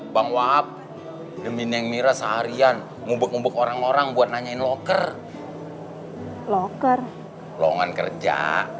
bang wab demi neng mira seharian ngubuk ngubuk orang orang buat nanyain loker loker lowongan kerja